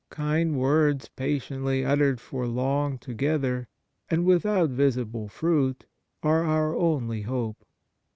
Kind words patiently uttered for long to gether, and without visible fruit, are our only hope.